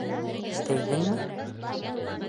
Тейҙеңме?